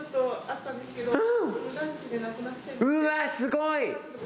うわすごい！ええ。